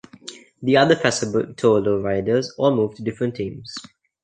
The other Fassa Bortolo riders all moved to different teams.